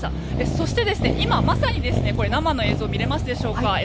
そして、今まさに生の映像、見えますでしょうか。